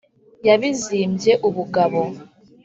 yabizimbye ubugabo